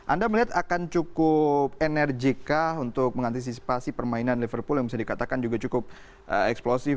anda melihat akan cukup enerjik untuk mengantisipasi permainan liverpool yang bisa dikatakan juga cukup eksplosif